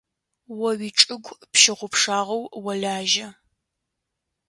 О уичӏыгу пщыгъупшагъэу олажьэ.